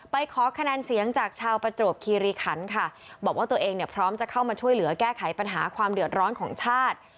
ขอคะแนนเสียงจากชาวประจวบคีรีคันค่ะบอกว่าตัวเองเนี่ยพร้อมจะเข้ามาช่วยเหลือแก้ไขปัญหาความเดือดร้อนของชาติ